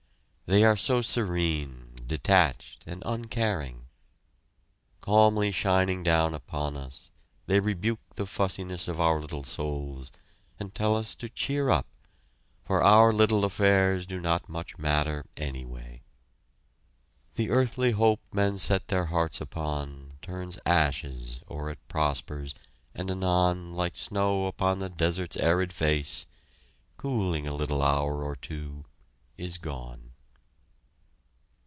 They are so serene, detached, and uncaring! Calmly shining down upon us they rebuke the fussiness of our little souls, and tell us to cheer up, for our little affairs do not much matter anyway. The earthly hope men set their hearts upon Turns ashes, or it prospers and anon Like snow upon the desert's arid face, Cooling a little hour or two is gone!